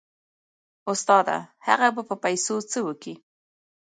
استاده هغه به په پيسو څه وکي.